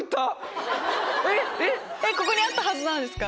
ここにあったはずなんですか？